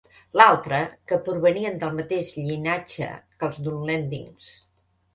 L'altre, que provenien del mateix llinatge que els Dunlendings.